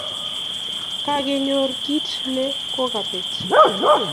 Kakenyor kit ne kokabet